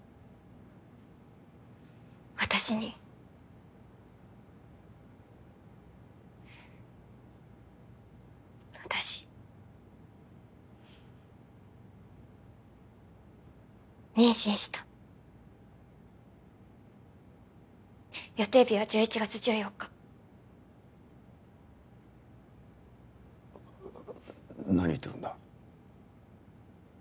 私に私妊娠した予定日は１１月１４日何言ってるんだ？